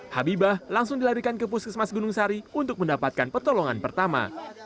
habibah langsung dilarikan ke puskesmas gunung sari untuk mendapatkan pertolongan pertama